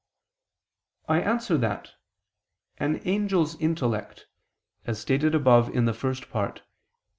I answer that, An angel's intellect, as stated above in the First Part (Q.